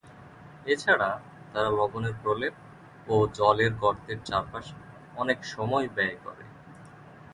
এছাড়া, তারা লবণের প্রলেপ ও জলের গর্তের চারপাশে অনেক সময় ব্যয় করে।